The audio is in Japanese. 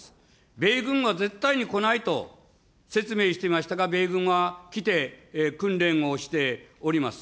米軍は絶対に来ないと説明していましたが、米軍は来て、訓練をしております。